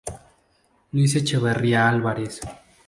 Luis Echeverría Álvarez.